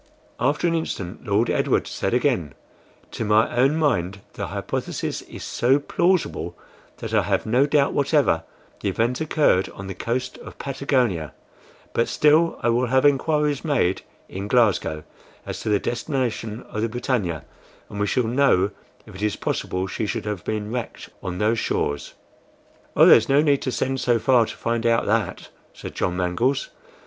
After an instant, Lord Edward said again, "To my own mind the hypothesis is so plausible, that I have no doubt whatever the event occurred on the coast of Patagonia, but still I will have inquiries made in Glasgow, as to the destination of the BRITANNIA, and we shall know if it is possible she could have been wrecked on those shores." "Oh, there's no need to send so far to find out that," said John Mangles.